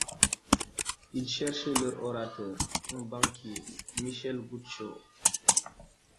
Ils cherchaient leur orateur, un banquier, Michel Goudchaux.